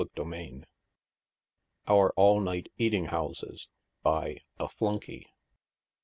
CHAPTER XV. OUE ALL NIGHT EATING HOUSES. BY A. FLUNKEY.